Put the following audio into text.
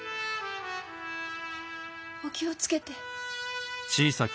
お気をつけて。